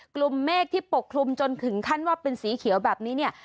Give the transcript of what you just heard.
กลุ่มเมฆที่ปกคลุมจนถึงขั้นว่าเป็นสีเขียวแบบนี้เนี่ย